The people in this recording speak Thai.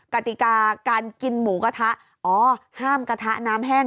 กติกาการกินหมูกระทะอ๋อห้ามกระทะน้ำแห้ง